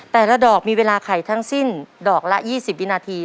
แต่ละดอกมีเวลาไขทั้งสิ้นดอกละ๒๐วินาที